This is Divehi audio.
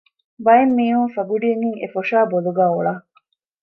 ބައެއް މީހުން ފަގުޑިއެއްހެން އެފޮށާ ބޮލުގައި އޮޅަ